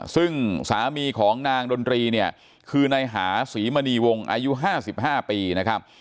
ซึ่งสามีของนางดนตรีเนี่ยคือนายหาศรีมณีวงอายุ๕๕ปีนะครับ